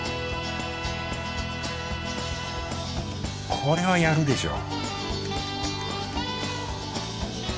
これはやるでしょう